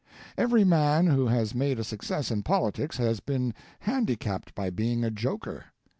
Every man who has made a success in politics has been handicapped by being a joker.